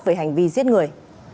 về hành vi giết người